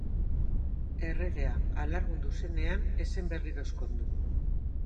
Erregea alargundu zenean ez zen berriro ezkondu.